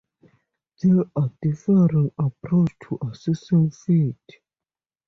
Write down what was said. There are differing approaches to assessing fit.